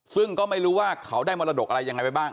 ซึ่งก็ไม่รู้ว่าเขาได้มรดกอะไรยังไงไปบ้าง